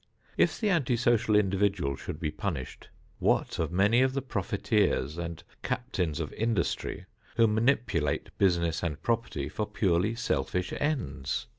If the anti social individual should be punished, what of many of the profiteers and captains of industry who manipulate business and property for purely selfish ends?